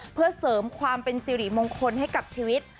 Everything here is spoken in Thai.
เพื่อเสริมความเป็นสิริมงคลให้กับชีวิต